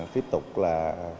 tiếp tục là